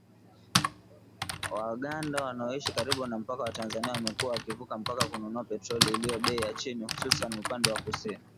Waganda wanaoishi karibu na mpaka wa Tanzania wamekuwa wakivuka mpaka kununua petroli iliyo bei ya chini , hususan upande wa kusini